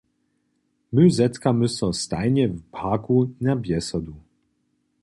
My zetkamy so stajnje w parku na bjesadu.